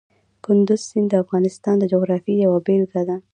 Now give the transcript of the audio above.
کندز سیند د افغانستان د جغرافیې یوه بېلګه ده.